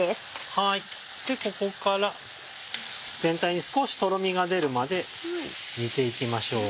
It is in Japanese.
ここから全体に少しとろみが出るまで煮ていきましょう。